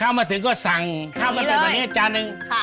ข้าวมาถึงก็สั่งข้าวมั้นเป็นมาเนื้อจานดึง